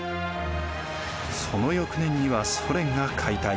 その翌年にはソ連が解体。